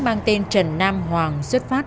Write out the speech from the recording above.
mang tên trần nam hoàng xuất phát